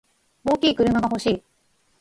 大きい車が欲しい。